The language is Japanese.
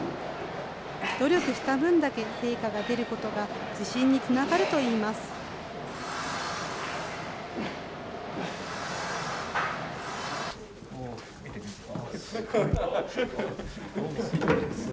努力した分だけ成果が出ることが自信につながるといいます。